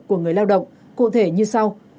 của người lao động cụ thể như sau